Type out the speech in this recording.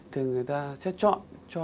thì người ta sẽ chọn